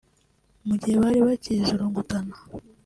Mu gihe bari bakizurungutana